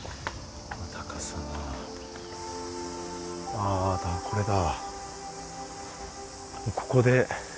あこれだ。